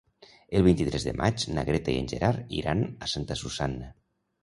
El vint-i-tres de maig na Greta i en Gerard iran a Santa Susanna.